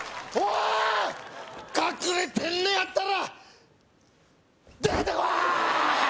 隠れてんねやったら出てこーい！